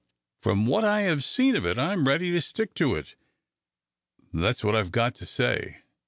"From what I have seen of it, I am ready to stick to it; that's what I've got to say.